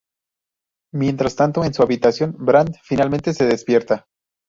Mientras tanto, en su habitación, Bran finalmente se despierta.